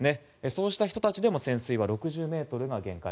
そうした人たちでも潜水は６０ｍが限界。